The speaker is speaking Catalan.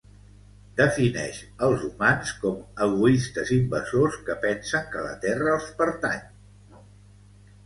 Defineix els humans com egoistes invasors que pensen que la Terra els pertany